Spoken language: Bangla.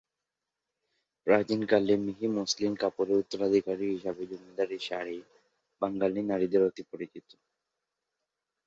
প্রাচীনকালের মিহি মসলিন কাপড়ের উত্তরাধিকারী হিসেবে জামদানি শাড়ি বাঙ্গালী নারীদের অতি পরিচিত।